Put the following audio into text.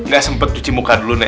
gak sempet cuci muka dulu nek